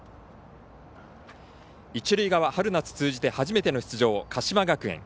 一塁側、春夏通じて初めての出場鹿島学園。